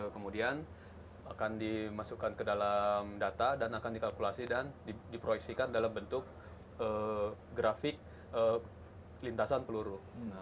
kemudian akan dimasukkan ke dalam data dan akan dikalkulasi dan diproyeksikan dalam bentuk grafik lintasan peluru